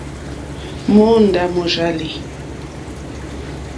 Mòòndó mòrzàlì.